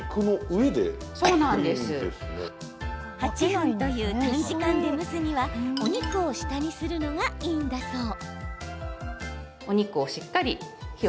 ８分という短時間で蒸すにはお肉を下にするのがいいんだそう。